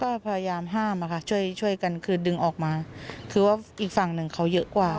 ก็พยายามห้ามอะค่ะช่วยช่วยกันคือดึงออกมาคือว่าอีกฝั่งหนึ่งเขาเยอะกว่า